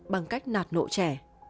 bằng cách nạt nộ trẻ